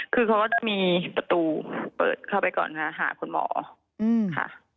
คือเขาก็จะมีประตูเปิดเข้าไปก่อนค่ะหาคุณหมอค่ะ